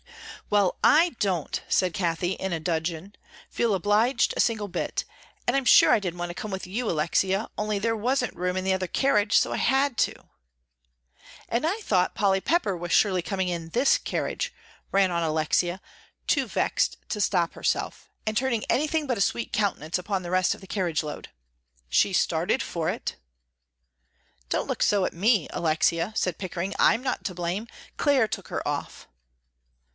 "Well, I don't," said Cathie, in a dudgeon, "feel obliged a single bit, and I'm sure I didn't want to come with you, Alexia, only there wasn't room in the other carriage, so I had to." "And I thought Polly Pepper was surely coming in this carriage," ran on Alexia, too vexed to stop herself, and turning anything but a sweet countenance upon the rest of the carriage load. "She started for it." "Don't look so at me, Alexia," said Pickering. "I'm not to blame; Clare took her off."